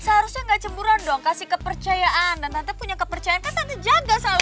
seharusnya gak cemburuan dong kasih kepercayaan dan tante punya kepercayaan kan tante jaga selalu